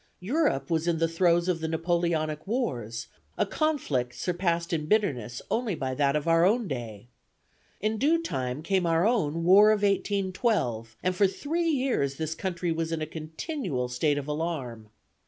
Europe was in the throes of the Napoleonic Wars, a conflict surpassed in bitterness only by that of our own day. In due time came our own War of 1812, and for three years this country was in a continual state of alarm.